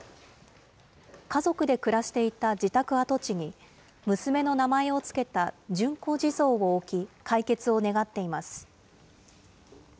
家族で暮らしていた自宅跡地に、娘の名前を付けた順子地蔵を置き、解決を願っています。